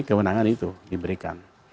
kewenangan itu diberikan